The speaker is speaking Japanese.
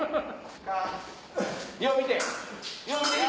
よう見て！